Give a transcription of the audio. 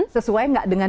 sesuai nggak dengan